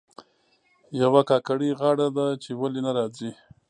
یوه کاکړۍ غاړه ده چې ولې نه راځي.